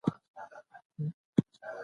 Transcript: ایا د څېړني لارښود استادان پوره شتون لري؟